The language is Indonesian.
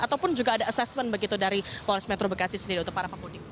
ataupun juga ada assessment begitu dari polres metro bekasi sendiri untuk para pemudik